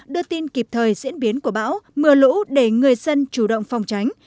đưa tin kịp thời diễn biến của bão mưa lũ để người dân chủ động phòng tránh